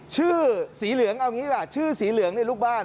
ชื่อสีเหลืองเอางี้ล่ะชื่อสีเหลืองในลูกบ้าน